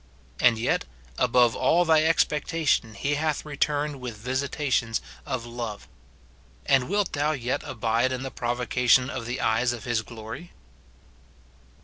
and yet, above all thy expectation, he hath re 252 MORTIFICATION OP turned with visitations of love. And wilt thou yet abide in the provocation of the eyes of his glory